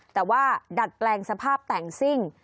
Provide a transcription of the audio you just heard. แต่ว่าดัดแปลงสภาพแต่งซิ่ง